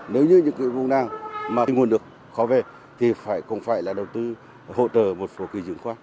nếu như những vùng nàng mà nguồn nước khó về thì cũng phải là đầu tư hỗ trợ một phổ kỳ dưỡng khoác